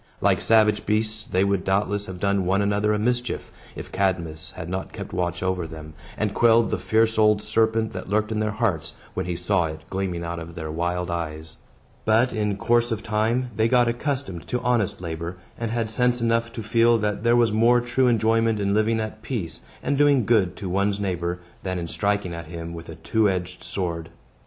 Like savage beasts, they would doubtless have done one another a mischief, if Cadmus had not kept watch over them, and quelled the fierce old serpent that lurked in their hearts, when he saw it gleaming out of their wild eyes. But, in course of time, they got accustomed to honest labor, and had sense enough to feel that there was more true enjoyment in living at peace, and doing good to one's neighbor, than in striking at him with a two edged sword.